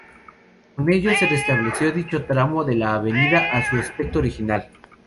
Con ello, se restableció dicho tramo de la avenida a su aspecto original.